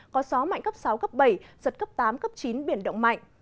có gió mạnh cấp sáu cấp bảy giật cấp tám cấp chín biển động mạnh